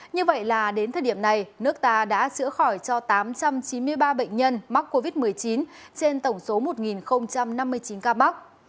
như vậy là đến thời điểm này nước ta đã chữa khỏi cho tám trăm chín mươi ba bệnh nhân mắc covid một mươi chín trên tổng số một năm mươi chín ca mắc